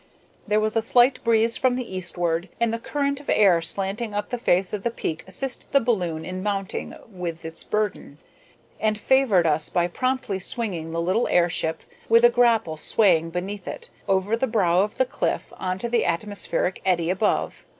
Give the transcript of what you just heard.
There was a slight breeze from the eastward, and the current of air slanting up the face of the peak assisted the balloon in mounting with its burden, and favored us by promptly swinging the little airship, with the grapple swaying beneath it, over the brow of the cliff into the atmospheric eddy above.